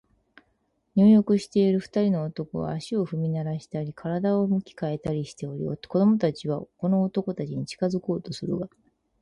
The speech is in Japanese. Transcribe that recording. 入浴している二人の男は、足を踏みならしたり、身体を向き変えたりしており、子供たちはこの男たちに近づこうとするが、